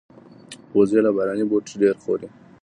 وزې له باراني بوټي ډېر خوري